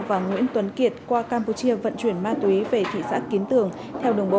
và nguyễn tuấn kiệt qua campuchia vận chuyển ma túy về thị xã kiến tường theo đường bộ